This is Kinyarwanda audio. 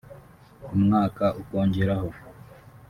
umwaka ukongeraho